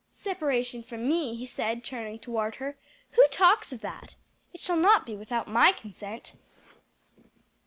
"Separation from me?" he said, turning toward her, "who talks of that? It shall not be with my consent."